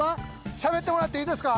しゃべってもらっていいですか。